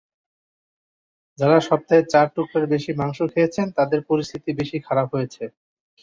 যাঁরা সপ্তাহে চার টুকরার বেশি মাংস খেয়েছেন, তাঁদের পরিস্থিতি বেশি খারাপ হয়েছে।